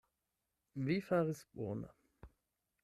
Vi faris bone.